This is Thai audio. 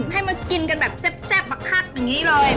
ให้มากินกันแบบแซ่บมาคักอย่างนี้เลย